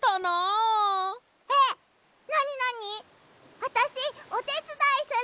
あたしおてつだいする。